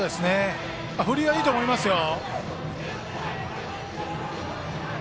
振りはいいと思いますよ。